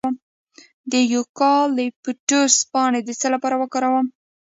د یوکالیپټوس پاڼې د څه لپاره وکاروم؟